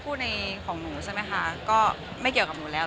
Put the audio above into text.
คือถ้าพูดของหนูละครับก็ไม่เกี่ยวกับหนูแล้ว